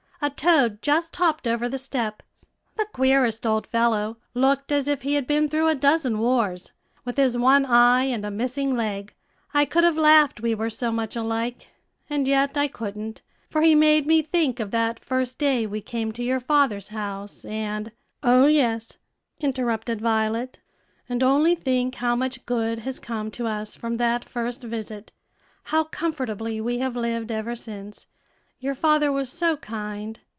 A toad just hopped over the step the queerest old fellow looked as if he had been through a dozen wars, with his one eye and a missing leg. I could have laughed, we were so much alike; and yet I couldn't, for he made me think of that first day we came to your father's house, and " "O, yes," interrupted Violet; "and only think how much good has come to us from that first visit how comfortably we have lived ever since! your father was so kind."